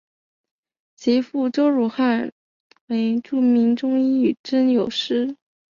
其父周汝汉为著名中医与针灸师。